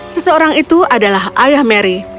seseorang itu adalah ayah mary